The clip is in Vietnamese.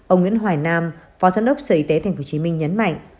ông nguyễn hoài nam phó giám đốc sở y tế tp hcm nhấn mạnh